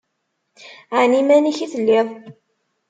Ɛni iman-ik i telliḍ?